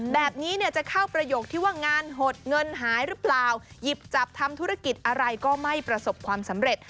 แบบนี้เนี่ยจะเข้าประโยคที่ว่างานหดเงินหายหรือเปล่าหยิบจับทำธุรกิจอะไรก็ไม่ประสบความสำเร็จ